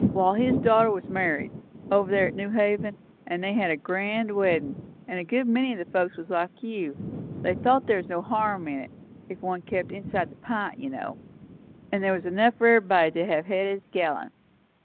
Wall, his daughter was married, over here at New Haven; and they had a grand weddin', and a good many o' the folks was like you, they thought there was no harm in it, if one kept inside the pint, you know; and there was enough for everybody to hev had his gallon.